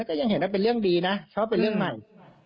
แต่ยังเห็นว่าเป็นเรื่องดีนะชอบเป็นเรื่องใหม่